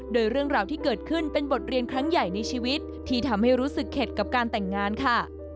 โดยเรื่องราวที่เกิดขึ้นเป็นบทเรียนครั้งใหญ่ในชีวิตที่ทำให้รู้สึกเข็ดกับการแต่งงานค่ะ